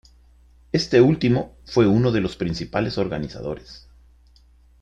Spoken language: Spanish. Este último fue uno de sus principales organizadores.